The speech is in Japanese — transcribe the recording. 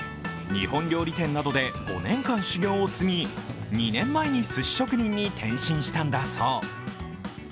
日本料理店などで５年間修業を積み２年前にすし職人に転身したんだそう。